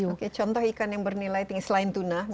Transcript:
oke contoh ikan yang bernilai tinggi selain tuna